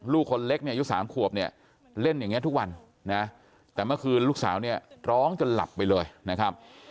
ลูกคนเล็กเนี่ยอายุ๓ขวบเนี่ยเล่นอย่างนี้ทุกวันนะแต่เมื่อคืนลูกสาวเนี่ยร้องจนหลับไปเลยนะครับ